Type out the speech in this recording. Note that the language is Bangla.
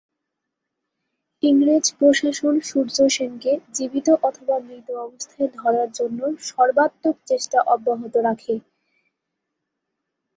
ইংরেজ প্রশাসন সূর্য সেনকে জীবিত অথবা মৃত অবস্থায় ধরার জন্য সর্বাত্মক চেষ্টা অব্যাহত রাখে।